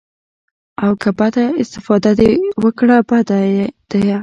او که بده استفاده دې وکړه بد ديه.